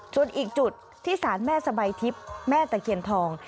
จุดอีกจุดที่ศาลแม่สบายทิศแม่แต่เขียนทอง